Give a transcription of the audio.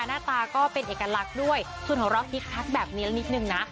หน้าตาก็เป็นเอกลักษณ์ด้วยส่วนของเราคึกคักแบบนี้ละนิดนึงนะ